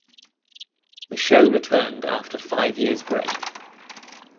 The show returned after five years break.